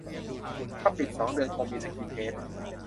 ถ้าปิดสองเดือนคงมีสกินเฮด